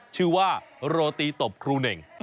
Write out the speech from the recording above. ชื่อว่าโรตีตบครูเน่ง